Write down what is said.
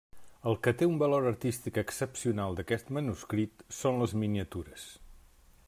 El que té un valor artístic excepcional d'aquest manuscrit són les miniatures.